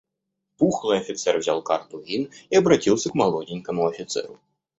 Пухлый офицер взял карту вин и обратился к молоденькому офицеру.